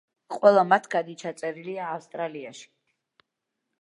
ყველა მათგანი ჩაწერილია ავსტრალიაში.